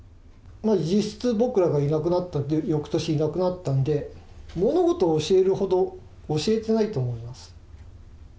実質、僕らがいなくなった、翌年いなくなったんで、物事を教えるほど教えてないと思います。